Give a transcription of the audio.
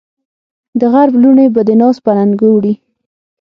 دغرب لوڼې به دې ناز په اننګو وړي